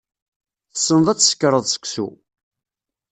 Tessneḍ ad tsekreḍ seksu.